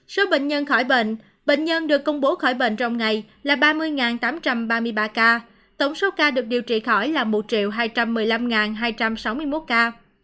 số bệnh nhân khỏi bệnh bệnh nhân được công bố khỏi bệnh trong ngày là ba mươi tám trăm ba mươi ba ca tổng số ca được điều trị khỏi là một hai trăm một mươi năm hai trăm sáu mươi một ca